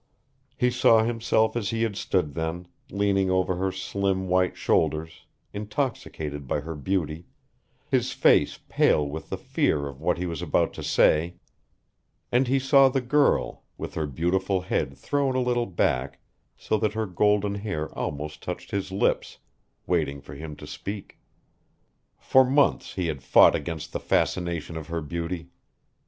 He saw himself as he had stood then, leaning over her slim white shoulders, intoxicated by her beauty, his face pale with the fear of what he was about to say; and he saw the girl, with her beautiful head thrown a little back, so that her golden hair almost touched his lips, waiting for him to speak. For months he had fought against the fascination of her beauty.